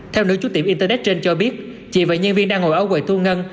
theo nữ chú tiệm internet trên cho biết chị và nhân viên đang ngồi ở quầy thu ngân